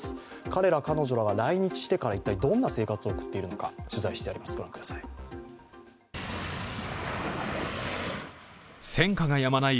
彼ら、彼女らは来日してから一体どんな生活を送っているのか取材してあります、御覧ください。